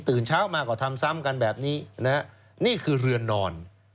เช้ามาก็ทำซ้ำกันแบบนี้นะฮะนี่คือเรือนนอน